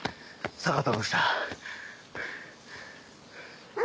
坂田。